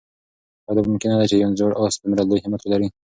آیا دا ممکنه ده چې یو زوړ آس دومره لوی همت ولري؟